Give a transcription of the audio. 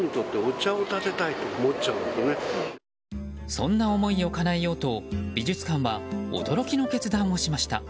そんな思いをかなえようと美術館は驚きの決断をしました。